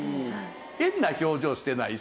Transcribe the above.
変な表情してない？